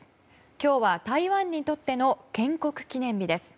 今日は台湾にとっての建国記念日です。